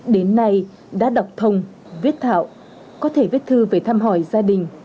đến nay đã đọc thông viết thạo có thể viết thư về thăm hỏi gia đình